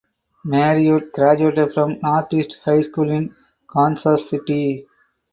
Marriott graduated from Northeast High School in Kansas City.